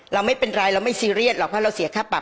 เราไม่เป็นไรเราไม่ซีเรียสหรอกเพราะเราเสียค่าปรับ